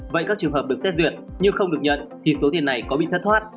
vậy các trường hợp được xét duyệt nhưng không được nhận thì số tiền này có bị thất thoát